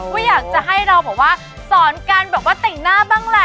ว่าอยากจะให้เราสอนการแบบว่าแต่งหน้าบ้างแหละ